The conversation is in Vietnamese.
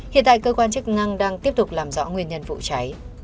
hiện tại cơ quan chức năng đang tiếp tục làm rõ nguyên nhân vụ cháy